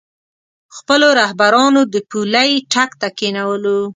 خپلو رهبرانو د پولۍ ټک ته کېنولو.